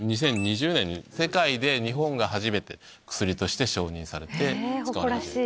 ２０２０年に世界で日本が初めて薬として承認されて使われている。